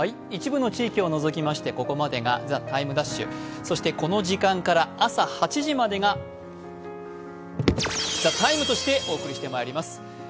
一部の地域を除きまして、ここまでが「ＴＨＥＴＩＭＥ’」そして、この時間から朝８時までが「ＴＨＥＴＩＭＥ，」としてお送りしてまいります。